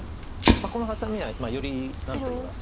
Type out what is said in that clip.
このハサミはより何といいますか。